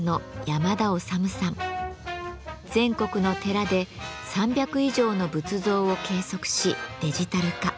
全国の寺で３００以上の仏像を計測しデジタル化。